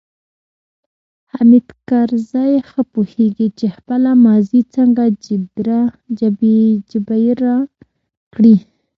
حامد کرزی ښه پوهیږي چې خپله ماضي څنګه جبیره کړي.